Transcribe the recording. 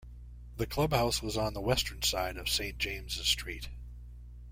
The clubhouse was on the western side of Saint James's Street.